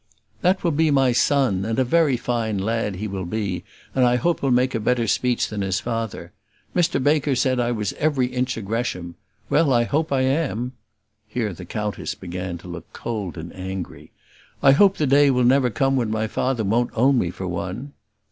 "That will be my son, and a very fine lad he will be; and I hope he'll make a better speech than his father. Mr Baker said I was every inch a Gresham. Well, I hope I am." Here the countess began to look cold and angry. "I hope the day will never come when my father won't own me for one."